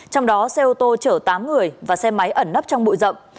trong đó xe ô tô chở tám người và xe máy ẩn nấp trong bụi rậm